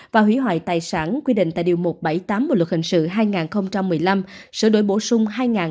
và hủy hoại tài sản quy định tại điều một trăm bảy mươi tám bộ luật hình sự hai nghìn một mươi năm sở đổi bổ sung hai nghìn một mươi bảy